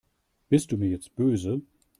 Bist du mir jetzt böse?